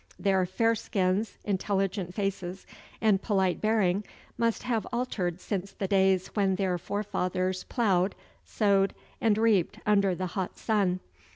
Their fair skins, intelligent faces, and polite bearing must have altered since the days when their forefathers ploughed, sowed, and reaped under the hot sun.